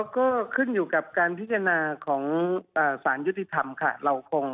ก็ขึ้นอยู่กับการพิจารณาของสารยุติธรรมค่ะ